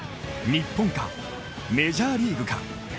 日本かメジャーリーグか。